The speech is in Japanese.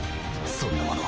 そんなもの